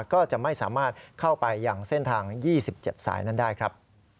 ก็จะไม่สามารถเข้าไปอย่างเส้นทาง๒๗สายนั้นได้ครับ